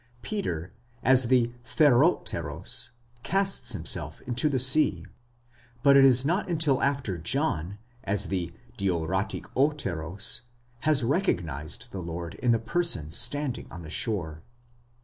Peter, as the θερμότερος, casts himself into the sea ; but it is not until after John, as the διορατικώτερος (Euthymius), has recognized the Lord in the person standing on the shore.